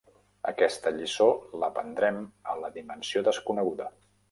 Aquesta lliçó l'aprendrem a la Dimensió desconeguda.